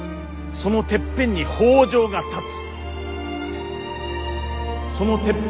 そのてっぺんに北条が立つ。